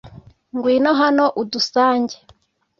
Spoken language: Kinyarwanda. ngwino hano udusange